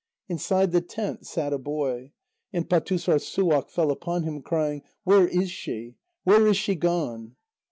Inside the tent sat a boy, and Pâtussorssuaq fell upon him, crying: "Where is she? Where is she gone?"